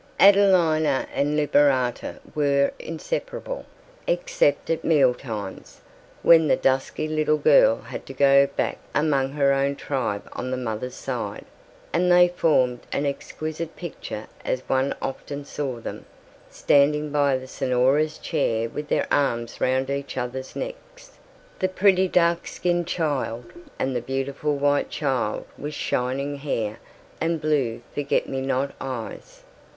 Adelina and Liberata were inseparable, except at meal times, when the dusky little girl had to go back among her own tribe on the mother's side; and they formed an exquisite picture as one often saw them, standing by the Senora's chair with their arms round each other's necks the pretty dark skinned child and the beautiful white child with shining hair and blue forget me not eyes.